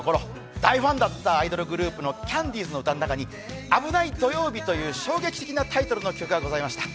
大ファンだったアイドルグループのキャンディーズに「危ない土曜日」という衝撃的なタイトルのものがございました。